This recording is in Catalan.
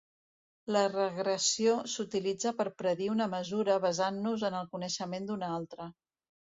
La regressió s'utilitza per predir una mesura basant-nos en el coneixement d'una altra.